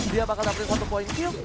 dia bakal dapetin satu point kill